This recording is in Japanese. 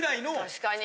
確かに。